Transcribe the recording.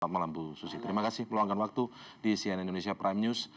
selamat malam bu susi terima kasih peluangkan waktu di cnn indonesia prime news